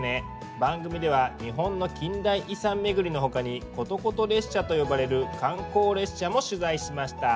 番組では日本の近代遺産巡りのほかにことこと列車と呼ばれる観光列車も取材しました。